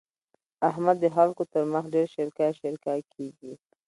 احمد د خلګو تر مخ ډېر شېرکی شېرکی کېږي.